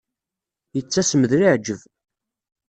Yettasem d leɛǧeb.